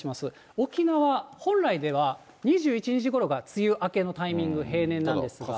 沖縄、本来では２１日ごろが梅雨明けのタイミング、平年なんですが。